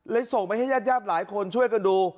ส่งไปให้ญาติญาติหลายคนช่วยกันดู